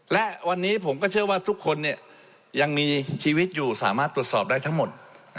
และวันนี้ผมก็เชื่อว่าทุกคนยังมีชีวิตอยู่สามารถตรวจสอบได้ทั้งหมด